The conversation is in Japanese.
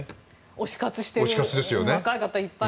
推し活している若い方いっぱい。